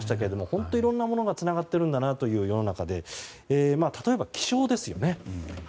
本当にいろんなものがつながっているんだなという世の中でして例えば、気象ですよね。